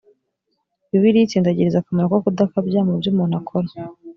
bibiliya itsindagiriza akamaro ko kudakabya mu byo umuntu akora